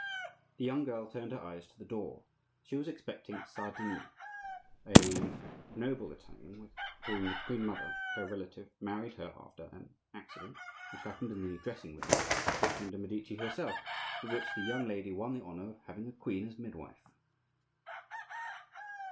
The young girl turned her eyes to the door. She was expecting Sardini, a noble Italian, with whom the queen mother, her relative, married her after an "accident" which happened in the dressing room of Catherine de' Medici herself; but which the young lady won the honor of having a queen as midwife.